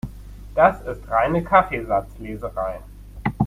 Das ist reine Kaffeesatzleserei.